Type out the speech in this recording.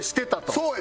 そうや！